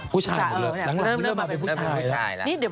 ผู้ช่างหมดเลย